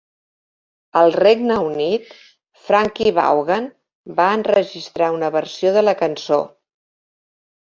Al Regne Unit, Frankie Vaughan va enregistrar una versió de la cançó.